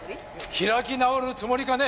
開き直るつもりかね？